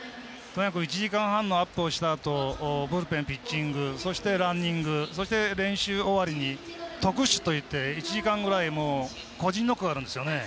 １時間半のアップをしたあとブルペン、ピッチングランニング、そして練習終わりに特守といって１時間ぐらい個人ノックがあるんです。